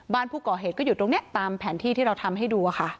บ้านผู้ก่อเหตุก็อยู่ตรงนี้ตามแผนที่ที่เราทำให้ดูค่ะ